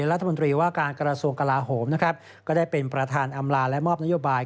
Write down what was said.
รัฐมนตรีว่าการกระทรวงกลาโหมนะครับก็ได้เป็นประธานอำลาและมอบนโยบาย